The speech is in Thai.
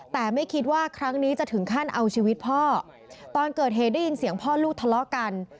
แต่ไม่คิดว่าครั้งนี้จะถึงขั้นเอาชีวิตพ่อตอนเกิดเหตุได้ยินเสียงพ่อลูกทะเลาะกัน